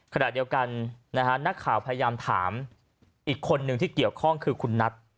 ขณะเดียวกันนะฮะนักข่าวพยายามถามอีกคนนึงที่เกี่ยวข้องคือคุณนัท